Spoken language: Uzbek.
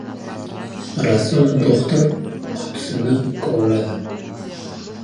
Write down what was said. Rasul do‘xtir qutisini kovladi.